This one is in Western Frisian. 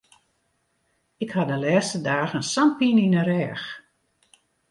Ik ha de lêste dagen sa'n pine yn de rêch.